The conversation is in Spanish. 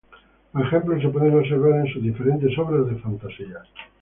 Los ejemplos se pueden observar en sus diferentes obras de fantasía.